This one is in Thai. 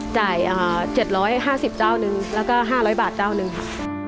จ่าย๗๕๐เจ้านึงแล้วก็๕๐๐บาทเจ้านึงค่ะ